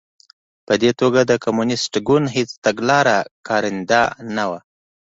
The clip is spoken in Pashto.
په دې توګه د کمونېست ګوند هېڅ تګلاره کارنده نه وه